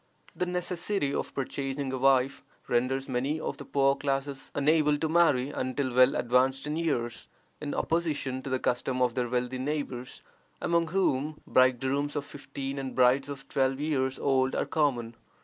The necessity of purchasing a wife renders many of the poorer classes unable to marry until well advanced in years, in opposition to the custom of their wealthy neighbors, among whom bridegrooms of fifteen and brides of twelve years old are common.